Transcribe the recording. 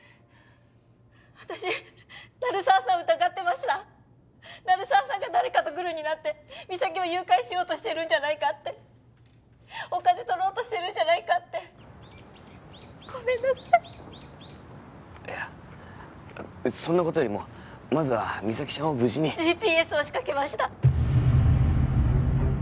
私鳴沢さんを疑ってました鳴沢さんが誰かとグルになって実咲を誘拐しようとしてるんじゃないかってお金取ろうとしてるんじゃないかって☎ごめんなさいいやそんなことよりもまずは実咲ちゃんを無事に☎ＧＰＳを仕掛けました